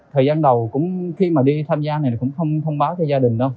thời gian đầu cũng khi mà đi tham gia thì cũng không thông báo cho gia đình đâu